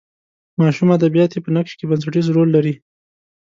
ماشوم ادبیات یې په نقش کې بنسټیز رول لري.